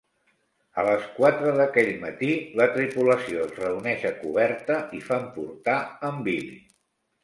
A les quatre d'aquell matí, la tripulació es reuneix a coberta i fan portar en Billy.